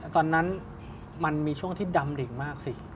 ตอนนั้นมันมีช่วงที่ดำริ่งมากสิ